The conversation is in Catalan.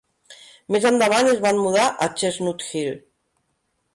Més endavant, es van mudar a Chestnut Hill.